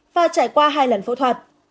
và trải qua hai lần phẫu thuật